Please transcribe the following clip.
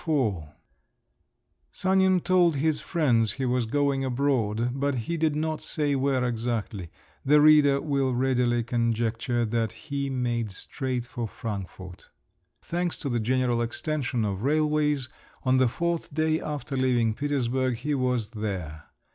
XLIV Sanin told his friends he was going abroad, but he did not say where exactly: the reader will readily conjecture that he made straight for Frankfort. Thanks to the general extension of railways, on the fourth day after leaving Petersburg he was there.